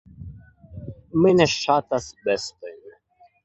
Mi ne ŝatas bestojn.